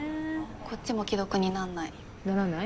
こっちも既読になんない。ならない？